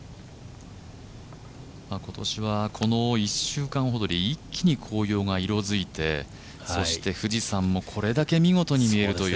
今年はこの１週間ほどで一気に紅葉が色づいて、そして富士山もこれだけ見事に見えるという。